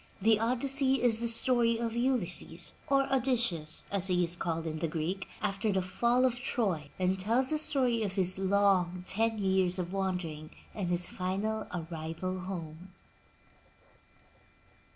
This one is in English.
The Odyssey is the story of Ulysses, or Odysseus as he is called in the Greek, after the fall of Troy and tells the story of his long ten years of wandering and his final arrival home.